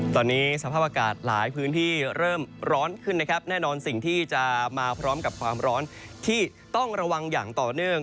ตอนนี้สภาพอากาศหลายพื้นที่เริ่มร้อนขึ้นนะครับแน่นอนสิ่งที่จะมาพร้อมกับความร้อนที่ต้องระวังอย่างต่อเนื่อง